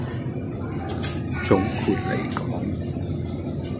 總括黎講